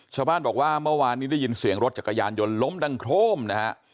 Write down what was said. ชาวบ้านบอกว่าเมื่อวานนี้ได้ยินเสียงรถจักรยานยนต์ล้มดังโครมนะฮะ